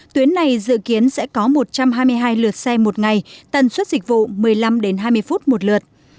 tuyến này dự kiến sẽ có một trăm hai mươi hai lượt xe một ngày tần suất dịch vụ một mươi năm hai mươi phút một lượt